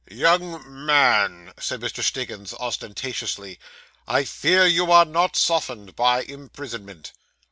'Young man,' said Mr. Stiggins ostentatiously, 'I fear you are not softened by imprisonment.